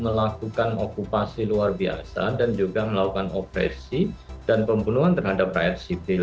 sebagai negara yang melakukan okupasi luar biasa dan juga melakukan operasi dan pembunuhan terhadap rakyat sivil